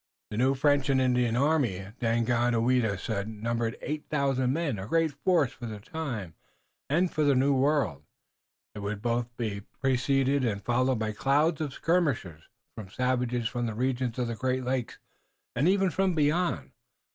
The new French and Indian army, Daganoweda said, numbered eight thousand men, a great force for the time, and for the New World, and it would be both preceded and followed by clouds of skirmishers, savages from the regions of the Great Lakes and even from beyond.